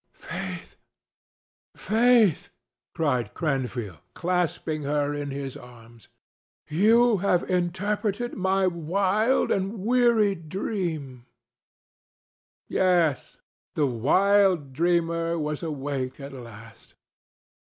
"Faith, Faith!" cried Cranfield, clasping her in his arms; "you have interpreted my wild and weary dream!" Yes, the wild dreamer was awake at last.